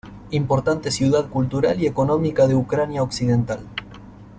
Importante ciudad cultural y económica de Ucrania occidental.